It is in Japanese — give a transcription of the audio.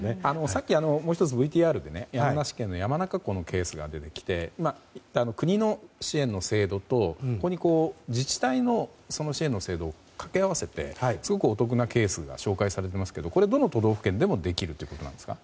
さっき、もう１つＶＴＲで山梨県の山中湖のケースが出てきていて国の支援の制度と自治体の支援の制度を掛け合わせてすごくお得なケースが紹介されていますけどもどの都道府県でもできるということなんですか？